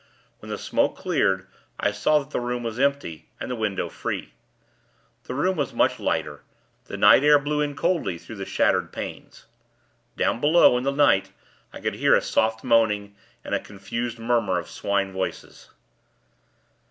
When the smoke cleared, I saw that the room was empty, and the window free. The room was much lighter. The night air blew in, coldly, through the shattered panes. Down below, in the night, I could hear a soft moaning, and a confused murmur of swine voices.